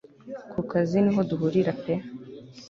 kukazi niho duhurira pe